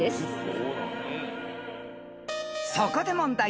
［そこで問題］